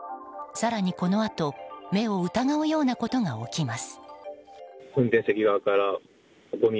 更に、このあと目を疑うようなことが起きます。